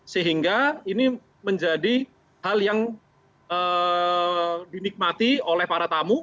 sehingga ini menjadi hal yang dinikmati oleh para tamu